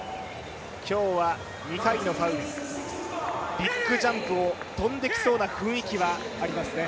今日は２回のファウルです、ビッグジャンプを跳んできそうな雰囲気はありますね。